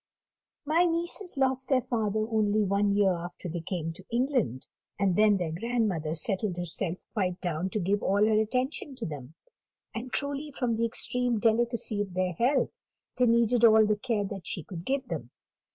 "My nieces lost their father only one year after they came to England, and then their grandmother settled herself quite down to give all her attention to them; and truly, from the extreme delicacy of their health, they needed all the care that she could give them.